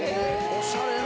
おしゃれな。